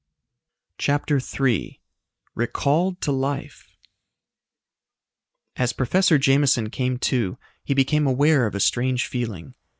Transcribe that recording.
CHAPTER III Recalled to Life As Professor Jameson came to, he became aware of a strange feeling.